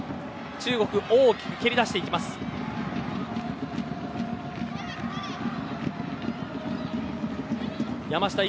中国大きく蹴り出していきました。